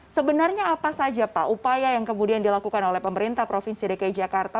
sebenarnya apa saja pak upaya yang kemudian dilakukan oleh pemerintah provinsi dki jakarta